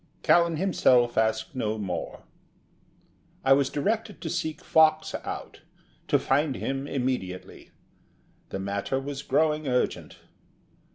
Callan himself asked no more. I was directed to seek Fox out to find him immediately. The matter was growing urgent.